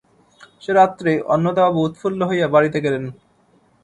সে রাত্রে অন্নদাবাবু উৎফুল্ল হইয়া বাড়িতে গেলেন।